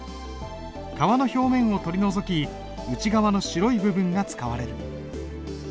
皮の表面を取り除き内側の白い部分が使われる。